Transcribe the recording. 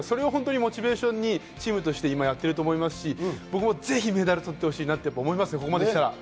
モチベーションにチームとしてやってると思いますし、僕もぜひメダル取ってほしいなと思います、ここまできたら。